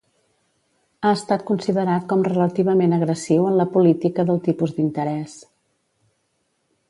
Ha estat considerat com relativament agressiu en la política del tipus d'interès.